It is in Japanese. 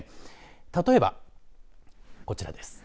例えばこちらです。